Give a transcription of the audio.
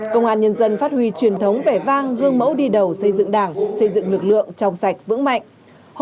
công an nhân dân phát huy truyền thống vẻ vang gương mẫu đi đầu xây dựng đảng xây dựng lực lượng trong sạch vững mạnh